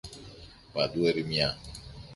Παντού ερημιά.